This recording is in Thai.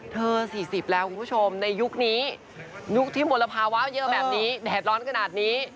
๔๐แล้วคุณผู้ชมในยุคนี้ยุคที่มลภาวะเยอะแบบนี้แดดร้อนขนาดนี้